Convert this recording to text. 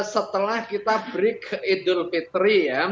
setelah kita break idul fikir